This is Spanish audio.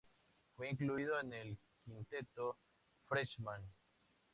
Fue incluido en el Quinteto Freshman.